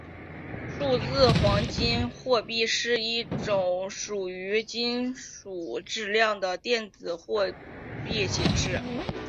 数字黄金货币是一种基于黄金质量的电子货币形式。